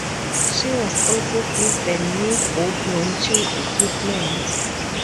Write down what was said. She was also given new boat-launching equipment.